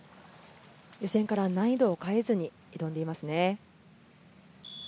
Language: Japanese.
予選から難易度を変えずに挑んでいますね。